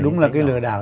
đúng là cái lừa đảo